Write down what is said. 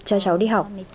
cho cháu đi học